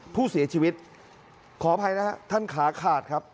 ผู้เสียชีวิตขออภัยนะฮะท่านขาขาดครับ